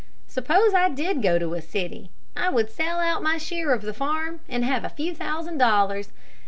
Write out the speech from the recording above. Suppose I did go to a city. I would sell out my share of the farm, and have a few thousand dollars.